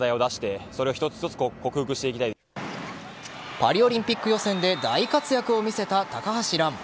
パリオリンピック予選で大活躍を見せた高橋藍。